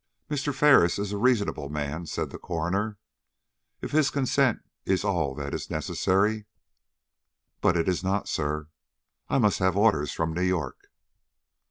"Mr. Ferris is a reasonable man," said the coroner. "If his consent is all that is necessary " "But it is not, sir. I must have orders from New York."